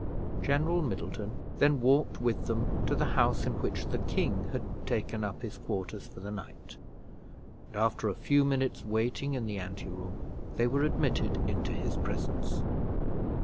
General Middleton then walked with them to the house in which the king had taken up his quarters for the night; and after a few minutes' waiting in the anteroom, they were admitted into his presence.